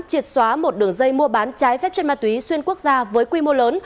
triệt xóa một đường dây mua bán trái phép chất ma túy xuyên quốc gia với quy mô lớn